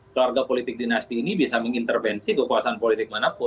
keluarga politik dinasti ini bisa mengintervensi kekuasaan politik manapun